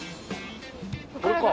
これか。